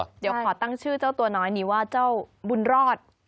เดี๋ยวขอตั้งชื่อเจ้าตัวน้อยนี้ว่าเจ้าบุญรอด